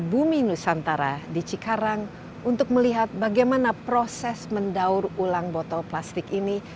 bumi nusantara di cikarang untuk melihat bagaimana proses mendaur ulang botol plastik ini